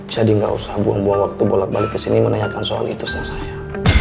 jadi gak usah buang buang waktu bolak balik kesini menanyakan soal itu sama saya